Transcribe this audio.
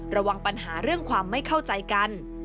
ระวังปัญหาเรื่องความไม่เข้าใจกัน